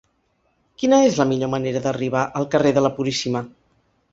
Quina és la millor manera d'arribar al carrer de la Puríssima?